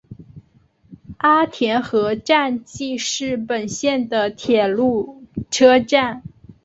阿田和站纪势本线的铁路车站。